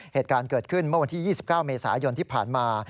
เหตุการณ์เกิดขึ้นเมื่อวันที่๒๙เมษายนที่ผ่านมา